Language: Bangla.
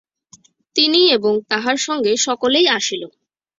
তিনি এবং তাহার সঙ্গে সকলেই আসিল।